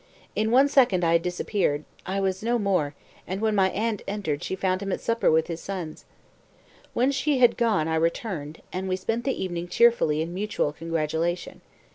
In one second I had disappeared I was no more and when my aunt entered she found him at supper with his sons. When she had gone I returned, and we spent the evening cheerfully in mutual congratulation.